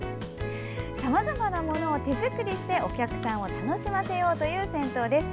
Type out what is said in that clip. さまざまなものを手作りしてお客さんを楽しませようという銭湯です。